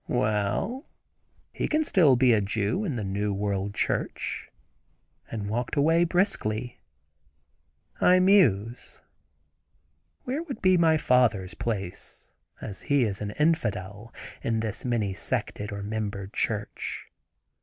"Well! he can still be a Jew, in the new world church," and walked briskly around. I muse. Where would be my father's place, as he is an infidel, in this many sected or membered church.